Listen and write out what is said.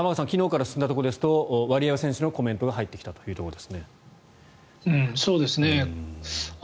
昨日から進んだところですとワリエワ選手のコメントが入ってきたというところですね。